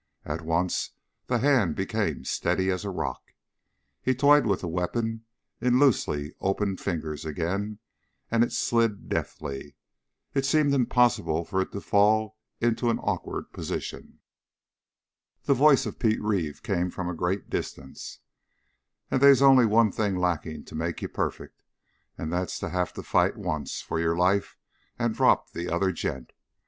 At once the hand became steady as a rock. He toyed with the weapon in loosely opened fingers again, and it slid deftly. It seemed impossible for it to fall into an awkward position. The voice of Pete Reeve came from a great distance. "And they's only one thing lacking to make you perfect and that's to have to fight once for your life and drop the other gent.